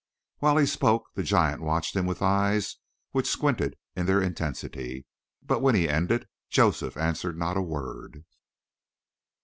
While he spoke the giant watched him with eyes which squinted in their intensity, but when he ended Joseph answered not a word.